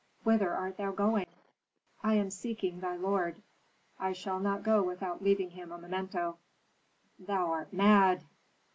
"Whither art thou going?" "I am seeking thy lord. I shall not go without leaving him a memento." "Thou art mad!"